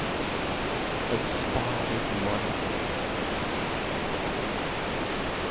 Of spies in Monarchies.